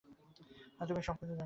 আর তুমি সবকিছু জানো না।